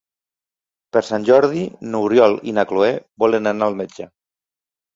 Per Sant Jordi n'Oriol i na Cloè volen anar al metge.